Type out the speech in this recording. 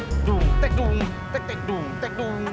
teg teg dung teg teg dung teg teg dung teg teg dung teg teg dung